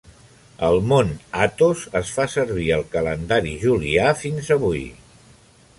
Al Mont Athos es fa servir el calendari julià fins avui.